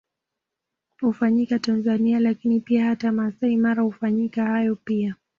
Hufanyika Tanzania lakini pia hata Maasai Mara hufanyika hayo pia